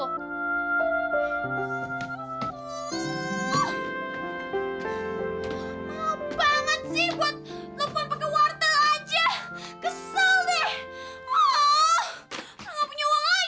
apaan banget sih buat lo pampang ke wortel aja